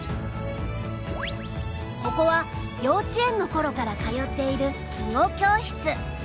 ここは幼稚園の頃から通っている囲碁教室。